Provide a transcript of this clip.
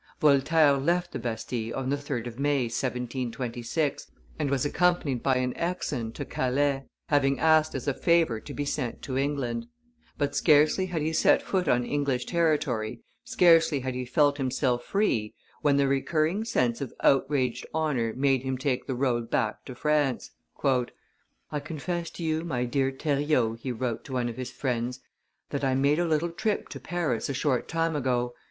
Voltaire left the Bastille on the 3d of May, 1726, and was accompanied by an exon to Calais, having asked as a favor to be sent to England; but scarcely had he set foot on English territory, scarcely had he felt himself free, when the recurring sense of outraged honor made him take the road back to France. "I confess to you, my dear Theriot," he wrote to one of his friends, "that I made a little trip to Paris a short time ago.